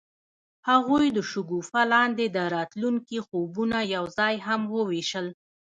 هغوی د شګوفه لاندې د راتلونکي خوبونه یوځای هم وویشل.